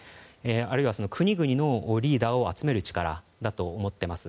あるいは国々のリーダーを集める力だと思っています。